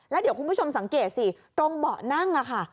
แล้วเดี๋ยวคุณผู้ชมสังเกตสิตรงเบาะนั่งค่ะ